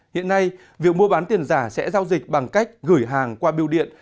hiện nay việc mua bán tiền giả sẽ giao dịch bằng cách gửi hàng qua biêu điện